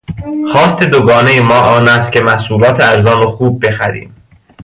خواست دوگانهی ما آن است که محصولات ارزان و خوب بخریم.